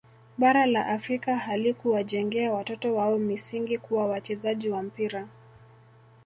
Bara la Afrika halikuwajengea watoto wao misingi kuwa wachezaji wa mpira